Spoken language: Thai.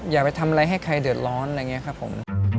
อย่าไปทำอะไรให้ใครเดือดร้อนอะไรอย่างนี้ครับผม